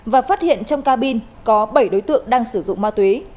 và phát hiện trong cabin có bảy đối tượng đang sử dụng ma túy